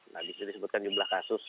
nah disitu disebutkan jumlah kasus